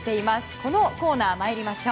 このコーナー、参りましょう。